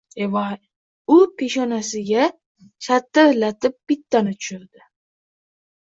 U peshonasiga shatirlatib bittani tushirdi.